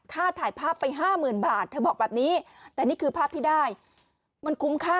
ค่าถ่ายภาพไปห้าหมื่นบาทเธอบอกแบบนี้แต่นี่คือภาพที่ได้มันคุ้มค่า